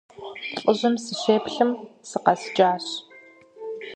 ЛӀыжьым сыщеплъым, сыкъэскӀащ.